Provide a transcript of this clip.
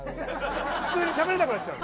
普通にしゃべれなくなっちゃう。